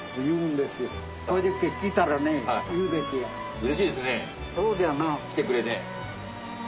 うれしいですね来てくれて。